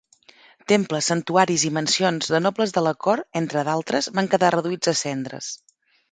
Temples, santuaris i mansions de nobles de la cort, entre d'altres, van quedar reduïts a cendres.